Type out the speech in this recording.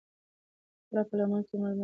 د غره په لمنه کې مړ مړ لوګی د ژوند نښه وه.